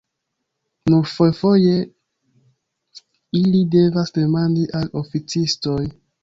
Nur fojfoje ili devas demandi al oficistoj.